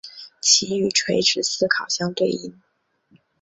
其与垂直思考相对应。